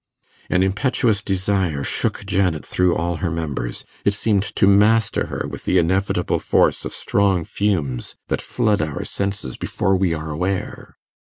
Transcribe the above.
An impetuous desire shook Janet through all her members; it seemed to master her with the inevitable force of strong fumes that flood our senses before we are aware.